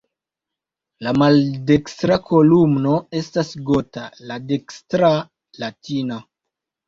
La maldekstra kolumno estas "gota", la dekstra "latina".